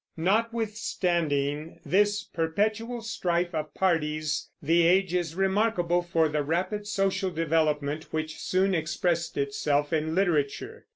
Notwithstanding this perpetual strife of parties, the age is remarkable for the rapid social development, which soon expressed itself in literature.